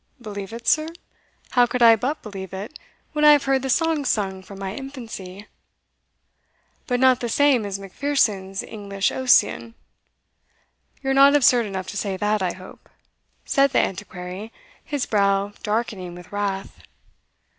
"Believe it, sir? how could I but believe it, when I have heard the songs sung from my infancy?" "But not the same as Macpherson's English Ossian you're not absurd enough to say that, I hope?" said the Antiquary, his brow darkening with wrath.